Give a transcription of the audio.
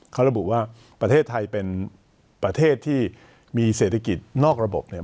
เขาระบุว่าประเทศไทยเป็นประเทศที่มีเศรษฐกิจนอกระบบเนี่ย